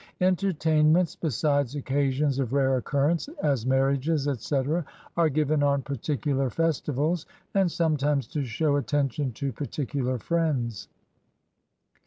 Entertainments, besides occasions of rare occurrence, as marriages, etc., are given on particular festivals, and sometimes to show attention to particular friends.